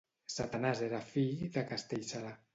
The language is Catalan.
Satanàs era fill de Castellserà.